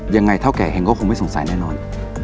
ยังไงเท่าแก่เห็งก็คงไม่สงสัยแน่นอน